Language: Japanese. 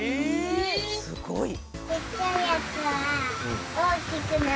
すごい。